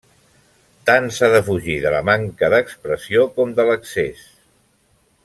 Tant s'ha de fugir de la manca d'expressió com de l'excés.